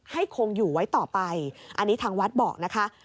คงอยู่ไว้ต่อไปอันนี้ทางวัดบอกนะคะ